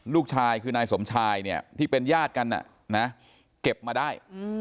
ลูกชายคือนายสมชายเนี่ยที่เป็นญาติกันเก็บมาได้